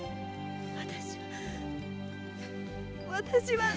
私は私は！